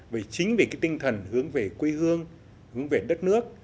bởi chính vì cái tinh thần hướng về quê hương hướng về đất nước